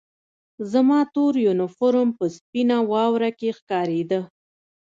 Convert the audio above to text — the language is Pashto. زما تور یونیفورم په سپینه واوره کې ښکارېده